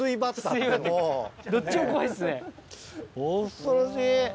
恐ろしい。